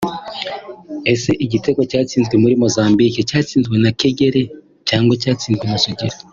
Ese igitego cyatsinzwe muri Mozambique cyatsinzwe na Kagere cyangwa cyatsinzwe na Sugira